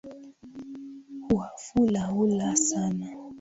Wafula hula sana